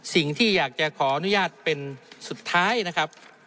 สิ่งที่อยากจะขออนุญาตเป็นสุดท้ายนะครับ